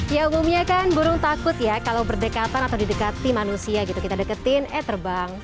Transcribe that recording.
ya umumnya kan burung takut ya kalau berdekatan atau didekati manusia gitu kita deketin eh terbang